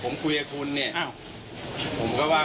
ผมคุยกับคุณเนี่ยผมก็ว่า